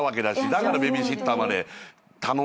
だからベビーシッターまで頼んで。